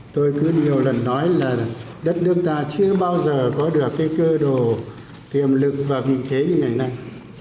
tôi cứ nhiều lần nói là đất nước ta chưa bao giờ có được cơ đồ tiềm lực và vị thế như thế này